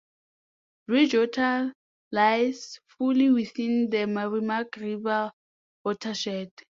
Bridgewater lies fully within the Merrimack River watershed.